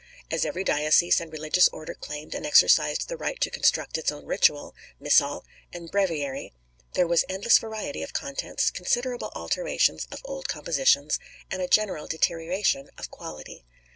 As every diocese and religious order claimed and exercised the right to construct its own ritual, Missal, and Breviary, there was endless variety of contents, considerable alterations of old compositions, and a general deterioration of quality.